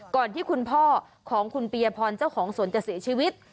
ก่อนที่คุณพ่อของคุณปียพรเจ้าของสวนจะเสียชีวิต